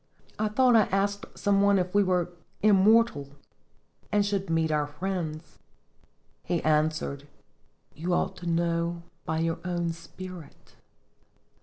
I thought I asked some one if we were immortal and should meet our friends. He answered, 'You ought to know by your own spirit.'